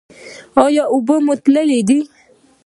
ایا اوبه مو تللې دي؟